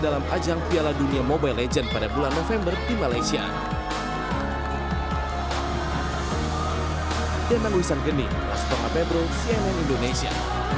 dalam ajang piala dunia mobile legends pada bulan november di malaysia